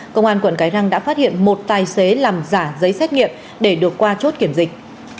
công an quận cái răng đã phát hiện một tài xế làm giả giấy xét nghiệm để được qua chốt kiểm dịch